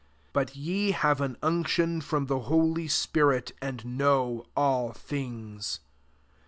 20 But ye have an unc tion from the holy spirit and know all things.